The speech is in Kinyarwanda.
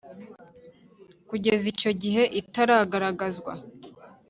kugeza icyo gihe itaragaragazwa